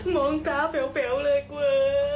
มองตาแปลวเลยกว่า